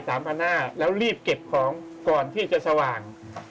หน้าแล้วรีบเก็บของก่อนที่จะสว่าง